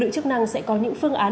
có khả năng sẽ có những phương án